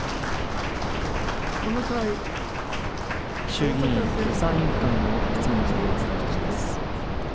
衆議院予算委員会の質疑のもようをお伝えしています。